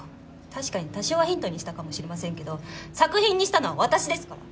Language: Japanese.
確かに多少はヒントにしたかもしれませんけど作品にしたのは私ですから！